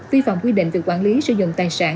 vi phạm quy định về quản lý sử dụng tài sản